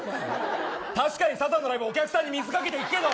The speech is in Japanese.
確かにサザンのライブはお客さんに水かけるけど。